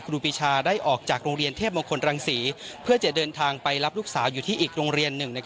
ครูปีชาได้ออกจากโรงเรียนเทพมงคลรังศรีเพื่อจะเดินทางไปรับลูกสาวอยู่ที่อีกโรงเรียนหนึ่ง